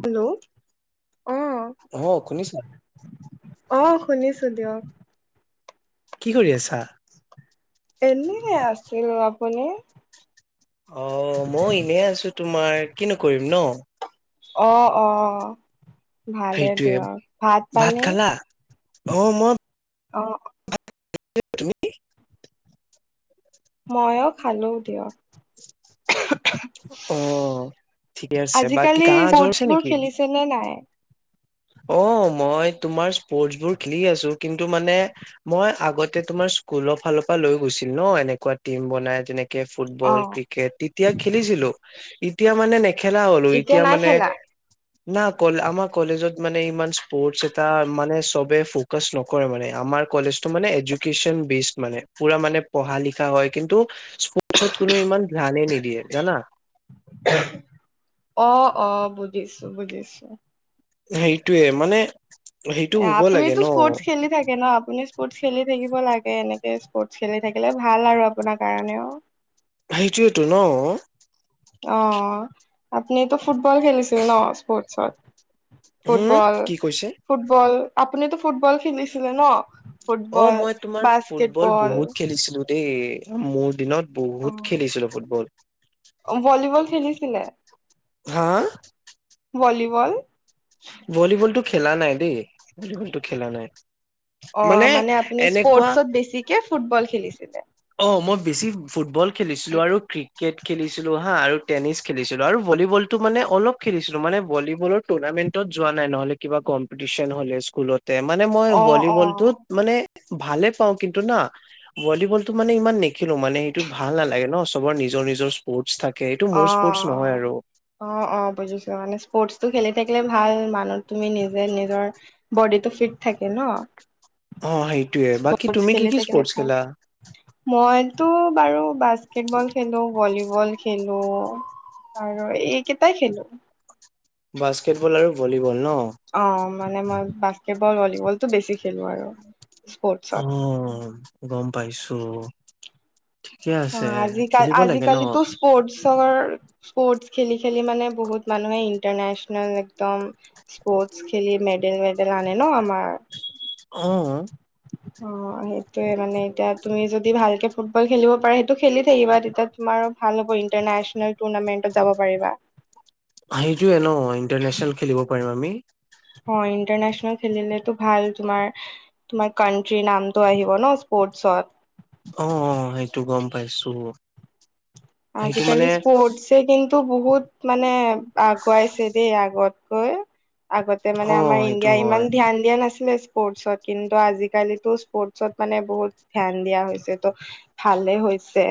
Hello আহ অ' শুনিছা অ' শুনিছো দিয়ক। কি কৰি আছা? এনে আছিলো। আপুনি? অ' মই এনে আছো তোমাৰ। কিনো কৰিম ন। অ' অ' ভালেই সেইটোয়ে দিয়ক। ভাত পানী? অ' মই অ' তুমি মইয়ো খালো দিয়ক অ ঠিকে আছে বাকী আজিকালি কাহ জ্বৰ আছে স্পৰ্টচ বোৰ নেকি খেলিছে নে নাই? অ' মই তোমাৰ স্পৰ্টচ বোৰ খেলি আছো। কিন্তু মানে মই আগতে তোমাৰ স্কুলৰ ফালৰ পৰা লৈ গৈছিল ন এনেকুৱা টিম বনাই। যেনে অ ফুটবল ক্ৰিকেট তেতিয়া খেলিছিলো এতিয়া মানে খেলা হ'লো। এতিয়া নাই মানে খেলা না ক আমাৰ কলেজত মানে ইমান সৰ্ এ মানে চবে ফকাচ নকৰে মানে। আমাৰ কলেজো মানে এ বে মানে পুৰা মানে পঢ়া লিখা হয়। কিন্তু স্পৰ্টছত কোনো ইমান ধ্যানে নিদিয়ে জানা। অ' অ' বুজিছো বুজিছো। সেইটোৱেই মানে সেইটো হ'ব লাগে আপুিতো ন স্পৰ্টছ খেলি থাকে ন? আপুনি স্পৰ্ট খেলি থাকিব লাগে এনেকে স্পৰ্টচ খেলি থাকিলে ভাল আৰু আপোনাৰ কাৰণেও সেইটোয়েতো ন অ' আপুনিটো ফুটবল খেলিছিল ন স্পৰ্টছত? হম ফুটবল কি কৈছে ফুটবল আপুনিতো ফুটবল খেলিছিলে ন। অ ফুটবল, মই তোমাৰ ফুটবল বাস্কেটবল। বহুত খেলিছিলো দেই মোৰ দিনত অ বহুত খেলিছিলো ফুটবল। চলিছিলে। হা। ভলীবল ভলীবলতটো খেলা নাই দেই। ভলীবল টো খেলা নাই। অ' মানে আপুনি এনেকুৱা স্পৰ্টচত বেছিকে ফুটবল খেলিছিলে। অ' মই বেছি ফুটবল খেলিছিলো আৰু ক ক্ৰিকেট খেলিছিলো হা আৰু টেনিছ খেলিছিলো আৰু ভলীবলটো মানে অলপ খেলিছিলো মানে ভলীবলৰ টুৰ্ণামেণ্ট যোৱা নাই নহ'লে কিবা কম্পিটিচন হ'লে স্কুলতে মানে মই অ অ ভলীবল ত মানে ভালে পাওঁ‌। কিন্তু না ভলীবলতটো মানে ইমান নেখেলো মানে সেইটো ভাল নালাগে ন। চবৰ নি নিজৰ নিজৰ স্পৰ্ট থাকে। এইটো মোৰ স্পৰ্টছ নহয় অ' আৰু অ' অ' অ' বুজিছো মই। স্পৰ্টচটো খেলি থাকিলে ভাল। মানুহ তুমি নিজে নিজৰ বডিটো ফিট থাকে ন। অ সেইটোয়ে বাকী স্পৰ্ট তুমি কি খেলি কি থাকিলে স্পৰ্টছ ভাল। খেলা মই তো বাৰু বাস্কেটবল খেলোঁ‌ ভলীবল খেলোঁ‌। আৰু এইকেটাই খেলো। বাস্কেটবল আৰু ভলীবল ন অঁ মানে মই বাস্কেটবল ভলীবলটো বেছি খেলো আৰু স্পৰ্টছত উম গম পাইছো। ঠিকে আছে অঁ আজিকাল খেলিব লাগে ন আজিকালিতো স্পৰ্টছৰ স্পৰ্টচ খেলি খেলি মানে বহুত মানুহে ইণ্টাৰনেচনেল একদম স্পৰ্ট খেলি মেডেল মেডেল আনে ন আমাৰ অঁ অঁ সেইটোৱে মানে এতিয়া তুমি যদি ভালকে ফুটবল খেলিব পাৰা সেইটো খেলি থাকিবা তেতিয়া তুমাৰো ভাল হ'ব ইণ্টাৰনেচনেল টুৰ্ণামেন্টত যাব পাৰিবা সেইটোয়ে ন ইণ্টাৰনেচনেল খেলিব পাৰিম আমি। অ ইণ্টাৰনেচনেল খেলিলেটো ভাল তোমাৰ তোমাৰ কাট্ৰি নামতটো আহিব ন স্পৰ্ট ছত আহ অঁ সেইটো গম পাইছো। সেইটো আজিকালি মানে স্পৰ্টচ কিন্তু বহুত মানে আগুৱাইছে দেই আগত কৈ আগতে মানে অ আমাৰ সেইটো ইণ্ডিয়া হয় ইমান ধ্যান দিয়া নাছিল। স্পৰ্টছত কিন্তু আজিকালিতো স্পৰ্টচত মানে বহুত ধ্যান দিয়া হৈছে ত ভাল। ভালে হৈছে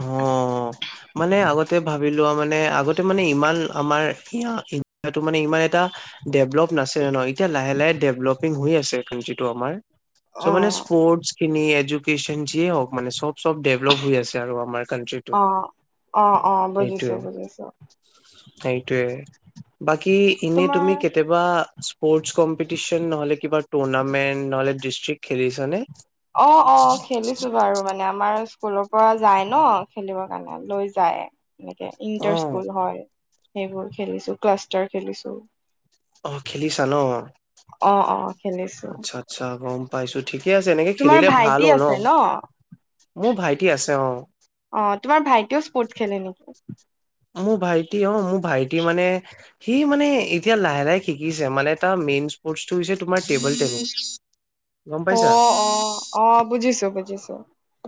অ মানে আগতে ভাবি লোৱা মানে আগতে মানে ইমান আমাৰ ইণ্ডিয়াটো মানে ইমান এটা ডেভলপ নাছিলে ন এতিয়া লাহে লাহে ডেভলপ সি হৈ আছে ক্রাঞ্চি টো আমাৰ চো মানে অ', স্পট খিনি এডুকেচন যিয়ে হওক মানে চব চব ডেভলপ হৈ আছে। আৰু আমাৰ কাউন্ট্ৰী তো, অ'। অ', অ', বুজিছো সেইটোৱে বুজিছো সেইটোৱে বাকী এনে তোমাৰ তুমি কেতিয়াবা স্পৰ্টছ কম্পিটিচন নহলে কিবা টুৰ্নামেন্ট নহলে খেলিছা নে? অ অ খেলিছো বাৰু মানে আমাৰ। স্কুলৰ পৰা যায় ন খেলিবৰ কাৰণে লৈ যায় এনেকে ইণ্টাৰ অ', স্কুল হয়। সেইবোৰ খেলিছো ক্লাষ্টাৰ খেলিছো। অ খেলিছা ন? অ অ খেলিছো। আচ্ছা আচ্ছা গম পাইছো। ঠিকে আছে এনেকে তোমাৰ খেলিলে ভাল ভাইটি হ ন আছে মোৰ ভাইটি আছে অ অ তোমাৰ ভাইটিও স্পৰ্টছ খেলে নেকি? মোৰ ভাইটি অ মোৰ ভাইটি মানে সি মানে এতিয়া লাহে লাহে শিকিছে মানে তাৰ মানে হৈছে তোমাৰ টেবুল টেনিছ গম অ পাইছা? অ অ বুজিছো বুজিছো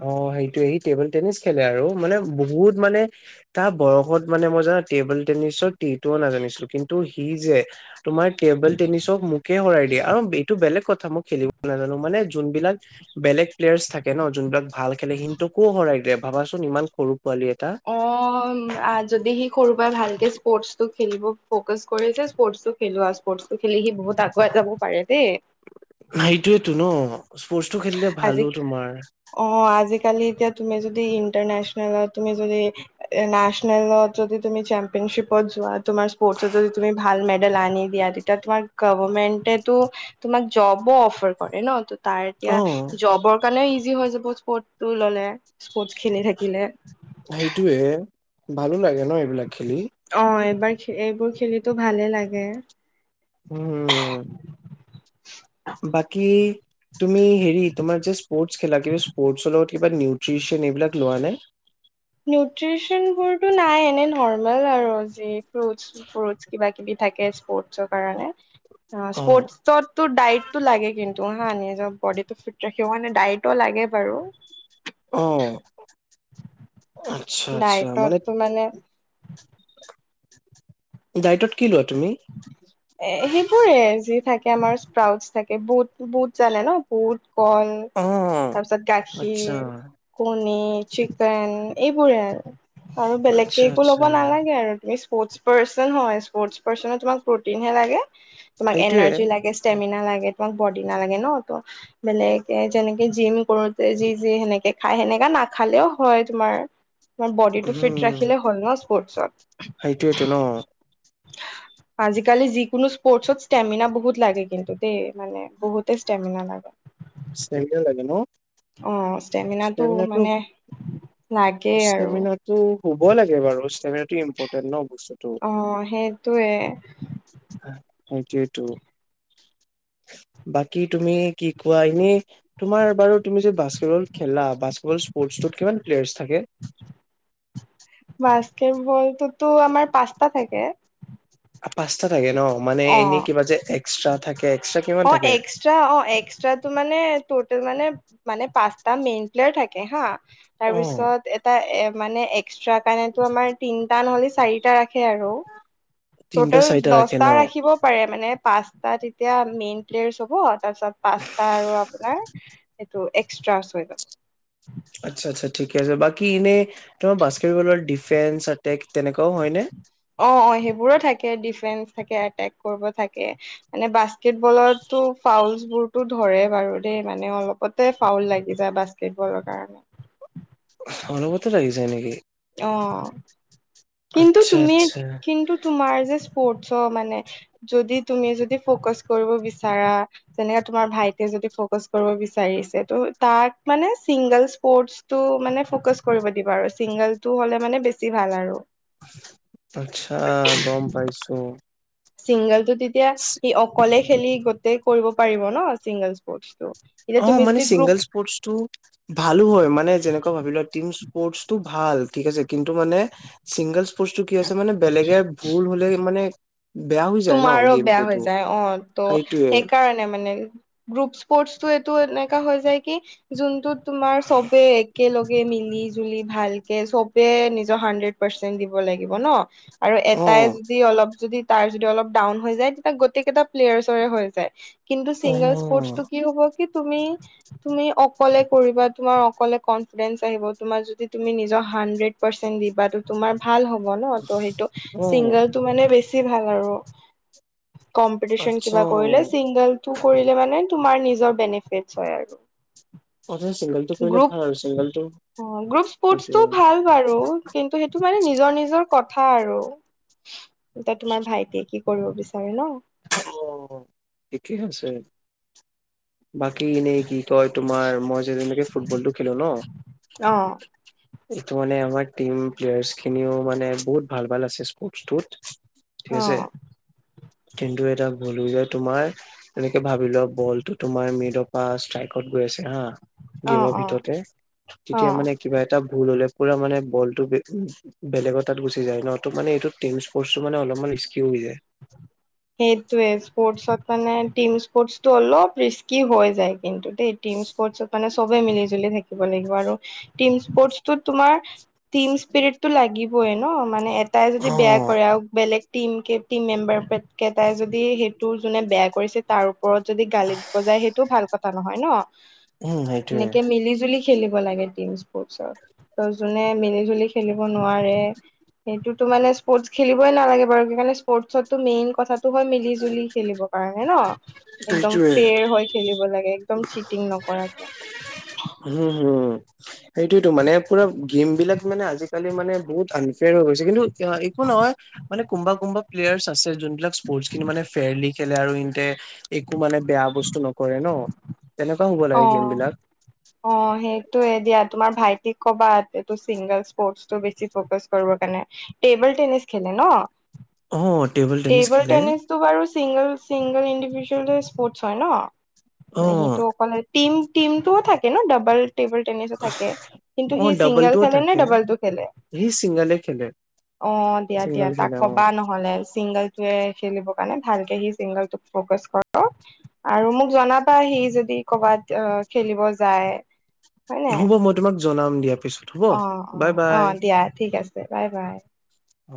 অ সেইটোয়ে সি টেবুল টেনিছ খেলে আৰু মানে বহুত মানে তাৰ বয়সত মানে মই জান টেবুল টেনিছৰ টি তো নাজানিছিলো, কিন্তু সি যে তোমাৰ টেবুল টেনিছক মোকে হৰাই দিয়া আৰু এইটো বেলেগ কথা মই খেলিব নাজানো মানে যোন বিলাক বেলেগ প্লেয়াৰছ থাকে ন। যোনবিলাক ভাল খেলে সিঁহতকো হৰাই দিয়ে ভাবাচোন ইমান সৰু পোৱালি এটা অ যদি সি সৰু পৰাই ভালকে স্পৰ্টচটো খেলিব ফকাচ কৰিছে স্পৰ্টচটো খেলো আৰু স্পৰ্টচ টো খেলি সি বহুত আগুৱাই যাব পাৰে দেই। সেইটোয়েতো ন স্পৰ্টচটো খেলিলে ভালো তোমাৰ। কালি তুমি এতিয়া যদি ইন্টাৰনেচনেলত তুমি যদি নেশ্যনেল যদি তুমি যদি চেম্পিয়ন পত যোৱা তোমাৰ স্পৰ্টত যদি তুমি ভাল মেডেল আনি দিয়া তেতিয়া তোমাৰ গভমেন্টেটো তোমাক জবো অফাৰ কৰে ন ত এতিয়া অ জবৰ কাৰণেও ইজি হয় যাব স্পৰ্টটো ললে স্পৰ্ট খেলি থাকিলে। সেইটোয়ে ভালো লাগে ন এইবিলাক খেলি এবাৰ এইবোৰ খেলি ভালে লাগে। উম! বাকী তুমি হেৰি, তোমাৰ যাষ্ট স্পৰ্ট খেলা। কিবা স্পৰ্টৰ লগত কিবা নিউট্ৰিচন এইবিলাক লোৱা নে? নিউট্ৰিচন বোৰতো নাই। এনে নৰ্মেল আৰু যি ফ্ৰোটচ কিবা কিবি থাকে স্পৰ্টচৰ কাৰণে। অ'! অ', স্পৰ্টচটত ডাইটটো লাগে কিন্তু হা। বডিটো ফিট ৰাখিব মানে, ডাইটও লাগে বাৰু। অ'! আচ্ছা, আচ্ছা। মানে, ডায়েটত কি লয়? এ, সেইবোৰে যি থাকে। আমাৰ স্প্ৰউট থাকে। বুট, বুট, জানে ন' বুট। কল। অ', তাৰপিছত, আচ্ছা, গাখীৰ পনীৰ, চিকেন, এইবোৰে আৰু। আচ্ছা বেলেগকে একো আচ্ছা ল'ব নালাগে আৰু। স্পৰ্ট পাৰ্চন হয়। স্পৰ্ট পাৰ্চনত তোমাক প্ৰটিনহে লাগে। তোমাক সেইটোয়ে এনাৰ্জি লাগে ষ্টেমিনা লাগে। তোমাক [unintelligible] বেলেগ, যেনেকে, জিম কৰোঁতে যি, যি সেনেকে খাই সেনেকা নাখালেও হয় তোমাৰ। বডিটো ফিট উম, ৰাখিলে হয় ন' সেইটোয়েতো ন স্পৰ্টছত। আজিকালি, যিকোনো স্পৰ্টছত ষ্টেমিনা বহুত লাগে কিন্তু দে। মানে, বহুতে ষ্টেমিনা লাগে। চেংগা লাগে ন'? অ'! ষ্টেমিনাটো মানে, লাগেই আৰু ষ্টেমিনাটো হ'ব লাগে বাৰু। ষ্টমিনাটো ইম্পৰ অ'! সেইটোৱে। সেইটোৱেটো। বাকী, তুমি কি কোৱা এনে, তোমাৰ বাৰু তুমি যে, বাস্কেটবল খেলা, বাস্কেটবল স্পৰ্টছটোত কিমান প্লেয়াৰছ থাকে? বাস্কেতবলটোতো আমাৰ পাঁচটা থাকে। পাঁচটা থাকে ন'। মানে, অ এনে কিবা যে এক্সট্ৰা থাকে এক্সট্ৰা কিমান অ'! থাকে এক্সট্ৰা অ'! এক্সট্ৰাটো মানে মানে, মানে, পাঁচটা মেইন প্লেয়াৰ থাকে হা। অ তাৰপিছত এটা মানে, এক্সট্ৰা কাৰনেতো আমাৰ তিনটা নহ'লে, চাৰিটা ৰাখে আৰু। তিনটা টোটেল চাৰিটা ৰাখে দহটা ন ৰাখিব পাৰে মানে। পাঁচটা যেতিয়া মেইন প্লেয়েৰাচ হ'ব। পাঁচটা আৰু আপোনাৰ এক্সট্ৰা ছয়টা। আচ্ছা, আচ্ছা, ঠিকে আছে। বাকী, এনে তোমাৰ বাস্কেটবলৰ ডিফেন্স এটেক তেনেকুৱাও হয়নে? অ'! অ'! সেইবোৰো থাকে, ডিফেন্স থাকে, এটেক কৰিব থাকে। মানে, বাস্কেটবলত ত' ফাউলচ বোৰতো ধৰে বাৰু দেই, মানে, অলপতে ফাউল লাগি যায় বাস্কেটবলৰ কাৰণে। অলপতে লাগি যায় নেকি? অ'! কিন্তু আচ্ছা তুমি, আচ্ছা কিন্তু তোমাৰ যে, স্পৰ্টছ চ' মানে, যদি তুমি, যদি ফকাচ কৰিব বিচাৰা, যেনেকে, তোমাৰ ভাইট যদি ফ'কাচ কৰিব বিচাৰিছে। ত' তাক মানে, চিংগল স্পৰ্টছটো মানে, ফ'কাচ কৰিব দিবা। আৰু চিংগলটো হ'লে মানে, বেছি ভাল আৰু। আচ্ছা! গম পাইছোঁ। চিংগলটো তেতিয়া, সি অকলে খেলি গোটেই কৰিব পাৰিব ন' চিংগল স্পৰ্টছটো। এতিয়া তুমি অ'! মানে, যদি গ্ৰুপ চিংগল স্পৰ্টছটো ভালো হয়। মানে, যেনেকুৱা ভাবিলোৱা টিম স্পৰ্টছটো ভাল! ঠিক আছে। কিন্তু মানে, চিংগল স্পৰ্টছটো কি হৈছে মানে, বেলেগে ভুল হ'লে মানে বেয়া হৈ যায় ন তোমাৰো গেম বেয়া হৈ প্লেটো যায়। অ'! ত' সেইটোৱে সেইকাৰণে মানে। গ্ৰুপ স্পৰ্টছটো এইটো এনেকা হৈ যায় কি, যোনটোত তোমাৰ চবে একেলগে মিলি জুলি ভালকে চবে নিজৰ হানড্ৰেদ পাৰ্চেন্ট দিব লাগিব ন'। আৰু অ এটাই যদি অলপ যদি তাৰ অলপ ডাউন হয় যায়। তেতিয়া, গোটেই কেইটা প্লেয়াৰচৰে হয় যায়। কিন্তু, চিংগল অ স্পৰ্টছটো কি হ'ব তুমি তুমি অকলে কৰিবা তোমাৰ অকলে কনফিডেন্স আহিব তুমাৰ যদি তুমি নিজৰ হান্ড্ৰেড পাৰ্চেন্ট দিবাটো তোমাৰ ভাল হ'ব ন ত সেইটো অ', চিংগলটো মানে বেছি ভাল আৰু। কম্পিটিচন আচ্ছা কিবা কৰিলে চিংগলটো কৰিলে মানে তোমাৰ নিজৰ বেনিফেটচ হয় আৰু। অ', অ', চিংগলটো কৰিলে গ্ৰুপ ভাল আৰু চিংগলটো অ গ্ৰুপ সেইটোৱে স্পৰ্টছটো ভাল বাৰু কিন্তু সেইটো মানে নিজৰ নিজৰ কথা আৰু এতিয়া তোমাৰ ভাইটিয়ে কি কৰিব বিচাৰে ন। অ একেই হৈছে বাকী ইনে কি তই তোমাৰ মই যে তেনেকে ফুটবলটো খেলো ন অ এইটো মানে আমাৰ টিম প্লেয়াৰ্চ খিনিও মানে বহুত ভাল ভাল আছে স্পৰ্টছটোত। ঠিক অ আছে কিন্তু এটাক বলো যে তোমাৰ এনেকে ভাবি লোৱা বল ত তোমাৰ মিডপা ষ্ট্ৰাইকত গৈ আছে হা। অ গেমৰ অ ভিতৰতে অ তেতিয়া মানে কিবা এটা ভুল হলে পুৰা মানে বলটো বেলেগত তাত গুচি যায় ন মানে ট্ৰনফ্ৰছ টো মানে অলপমান ৰিস্কিউ হৈ যায় সেইটোৱে স্পৰ্টছত মানে টিম স্পৰ্টটো অলপ ৰিস্কি হৈ যায় কিন্তু। টিম স্পৰ্টচত মানে চবে মিলি জুলি থাকিব লাগিব আৰু টিম স্পৰ্টচত তোমাৰ টিম স্পিৰিট টো লাগিবই ন মানে এটাই যদি বেয়া অ'। কৰে আৰু বেলেগ টিম কে টিম মেম্বাৰ কেইটাই যদি সেইটো যোনে বেয়া কৰিছে তাৰ ওপৰত যদি গালি বজায় সেইটো ভাল কথা নহয় ন উম সেইটোৱে। এনেকে মিলি জুলি খেলিব লাগে টিম স্পৰ্টচ ত যোনে মিলি জুলি খেলিব নোৱাৰে সেইটোতো মানে স্পৰ্টচ খেলিবই নালাগে বাৰু সেইণে স্পৰ্টচো মেইন কথাটো হয় মিলি জুলি খেলিবৰ কাৰণে ন একদম সেইটোৱে ফেৰ হৈ খেলিব লাগে। একদম চিটিং নকৰাকে। হম হুম সেইটোয়েতো মানে পুৰা গেম বিলাক মানে আজিকালি মানে বহুত আন ফেল হৈছে কিন্তু একো নহয় মানে কোনোবা কোনোবা প্লেয়াৰ্চ আছে যোন বিলাক স্পৰ্টচ খিনি মানে ফেয়াৰলি খেলে আৰু ইনতে একো মানে বেয়া বস্তু নকৰে ন তেনেকুৱা হব লাগে গেম অ বিলাক। অ সেইটোয়ে দিয়া তোমাৰ ভাইটিক কবা চিংগাল স্পৰ্টছটো বেছি ফকাছ কৰিব কাৰনে এইবাৰ টেনিছ খেলে ন অ টেবল টেনিছ টেবুল খেলে টেনিছটো বাৰু চিংগল চিংগল ইণ্ডিভিজুৱেল স্পৰ্টছ হয় অ ন। নেহি ত অকলে টিম টিমটোও থাকে ন ডাবল টেবুল টেনিছো থাকে কিন্তু অ সি চিংগল ডাবলটোও খেলে নে থাকে ডাবলটো খেলে? সি ছিংগলে খেলে অ দিয়া দিয়া ছিংগল তাক খেলে অ কবা নহ'লে চিংগেলটোৱে খেলিব কাৰণে ভালকে সি চিংগলটোক ফকাচ কৰক আৰু মোক জনাবা সি যদি কবাত খেলিব যায়। হয় নে হ'ব মই তোমাক জনাম দিয়া। পিছত হ'ব অ অ বাই অ বাই দিয়া ঠিক আছে বাই বাই। অ